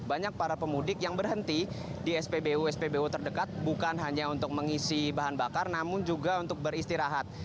banyak para pemudik yang berhenti di spbu spbu terdekat bukan hanya untuk mengisi bahan bakar namun juga untuk beristirahat